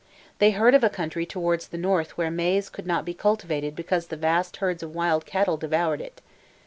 They heard of a country towards the north where maize could not be cultivated because the vast herds of wild cattle devoured it.